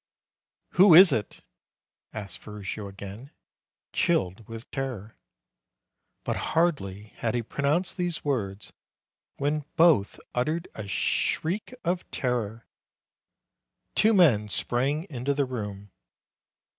"Who is it?'' asked Ferruccio again, chilled with terror. But hardly had he pronounced these words when both uttered a shriek of terror. Two men sprang into the room.